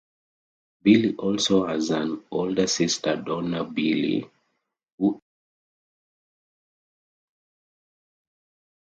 Bly also has an older sister Donna Bly, who is a high school teacher.